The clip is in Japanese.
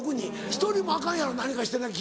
ひとりもアカンやろ何かしてなきゃ。